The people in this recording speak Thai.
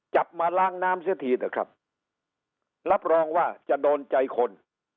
จับมาล้างน้ำเสียทีเถอะครับรับรองว่าจะโดนใจคน